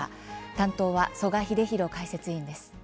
担当は曽我英弘解説委員です。